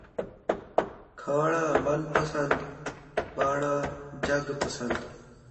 کھاݨاں من پسن٘د ، باݨاں جڳ پسن٘د